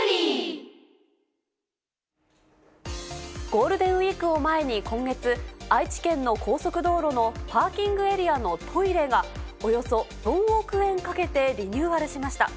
ゴールデンウィークを前に、今月、愛知県の高速道路のパーキングエリアのトイレが、およそ４億円かけてリニューアルしました。